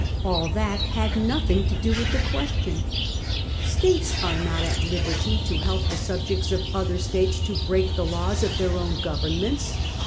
All that had nothing to do with the question. States are not at 1839. THE TRADE FORCED ON CHINA. 171 liberty to help the subjects of other States to break the laws of their own governments.